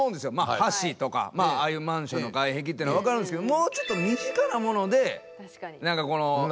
橋とかああいうマンションの外壁というのはわかるんですけどもうちょっと身近なもので役立つなと感じれるものが。